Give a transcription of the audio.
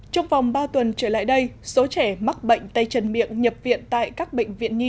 trong vòng ba tuần trở lại đây số trẻ mắc bệnh tay chân miệng nhập viện tại các bệnh viện nhi